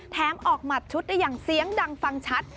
ออกหมัดชุดได้อย่างเสียงดังฟังชัด